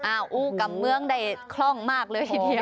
อู้กลับเมืองได้คล่องมากเลยทีเดียว